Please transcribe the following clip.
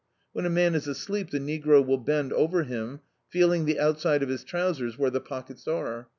When a man is asleep the negro will bend over him, feeling the outside of his trousers where the pockets are.